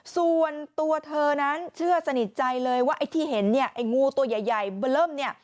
ส่วนตัวเธอนั้นเชื่อสนิทใจเลยว่าที่เห็นงูตัวใหญ่แบล้ม